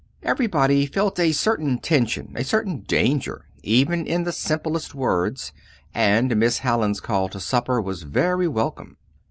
Everybody felt a certain tension, a certain danger, even in the simplest words, and Miss Hallin's call to supper was very welcome.